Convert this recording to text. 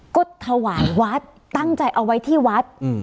ก็ถวายวัดตั้งใจเอาไว้ที่วัด